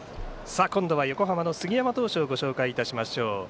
今度は横浜の杉山投手をご紹介いたしましょう。